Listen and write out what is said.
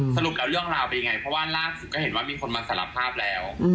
สรุปแล้วเรื่องราวเป็นยังไงเพราะว่าล่าสุดก็เห็นว่ามีคนมาสารภาพแล้ว